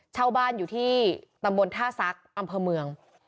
เช่าบ้านอยู่ที่ตำบลท่าซักอำเภอเมือง